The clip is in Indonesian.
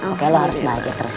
oke lu harus bahagia terus